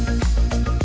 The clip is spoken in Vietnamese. để cho con